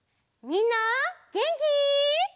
みんなげんき？